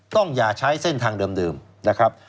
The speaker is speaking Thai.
อย่าใช้เส้นทางเดิมนะครับ